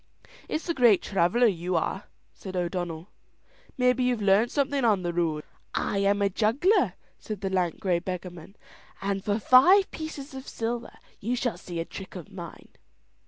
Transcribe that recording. "It's the great traveller you are," said O'Donnell. "Maybe you've learnt something on the road." "I am a juggler," said the lank grey beggarman, "and for five pieces of silver you shall see a trick of mine."